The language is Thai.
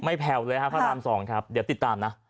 แผ่วเลยครับพระราม๒ครับเดี๋ยวติดตามนะ